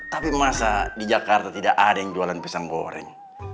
tapi masa di jakarta tidak ada yang jualan pisang goreng